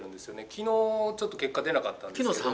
きのう、ちょっと結果出なかったんですけど。